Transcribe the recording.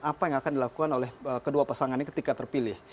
apa yang akan dilakukan oleh kedua pasangan ini ketika terpilih